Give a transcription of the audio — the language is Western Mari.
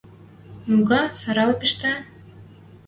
Ну-ка, сӓрӓл пиштӹ.